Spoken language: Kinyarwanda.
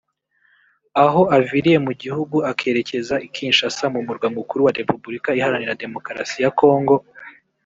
aho aviriye mu gihugu akerekeza i Kinshasa mu murwa mukuru wa Repubulika Iharanira Demokarasi ya Congo